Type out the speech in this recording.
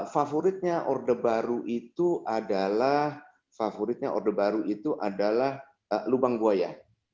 favoritnya orde baru itu adalah lubang buaya